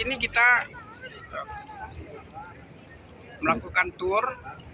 ini kita melakukan tuas